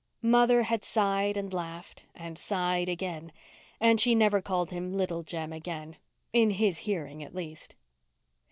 Mother had sighed and laughed and sighed again; and she never called him Little Jem again—in his hearing at least.